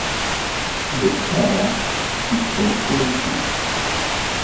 Le tir à l'arc est un sport olympique.